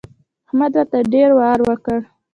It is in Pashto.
احمد ورته ډېر وار وکړ.